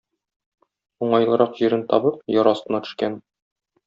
Уңайлырак җирен табып, яр астына төшкән.